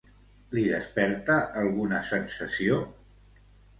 Li desperta alguna sensació?